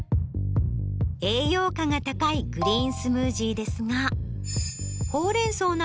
栄養価が高いグリーンスムージーですが。